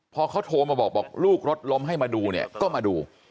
พอเขาโทรมาบอกบอกลูกรถล้มให้มาดูเนี่ยก็มาดู